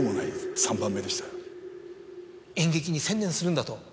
「演劇に専念するんだ」と。